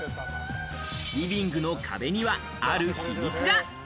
リビングの壁にはある秘密が。